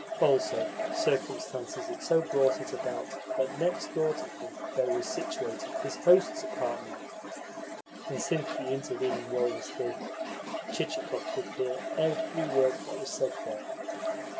Also, circumstances had so brought it about that next door to him there was situated his host's apartment; and since the intervening wall was thin, Chichikov could hear every word that was said there.